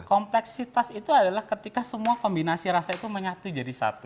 kompleksitas itu adalah ketika semua kombinasi rasa itu menyatu jadi satu